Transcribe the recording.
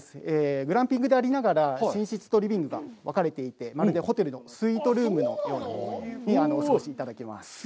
グランピングでありながら寝室とリビングが分かれていて、まるでホテルのスイートルームのようにお過ごしいただけます。